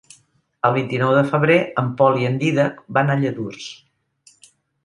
El vint-i-nou de febrer en Pol i en Dídac van a Lladurs.